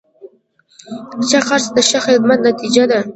ښه خرڅ د ښه خدمت نتیجه ده.